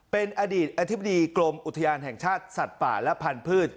เป็นอดีตอธิบดีกรมอุทยานแห่งชาติสัตว์ป่าและพันธุ์